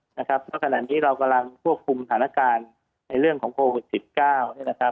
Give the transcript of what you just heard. เพราะขณะนี้เรากำลังควบคุมฐาลการณ์ในเรื่องของโควิดสิบเก้า